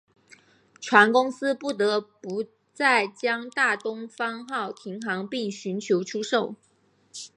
船公司不得不在将大东方号停航并寻求出售。